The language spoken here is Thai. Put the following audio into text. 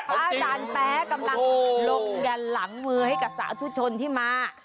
อาจารย์แป๊กำลังลงยันหลังมือให้กับสาธุชนที่มา